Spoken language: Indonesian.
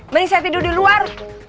mending saya tidur di luar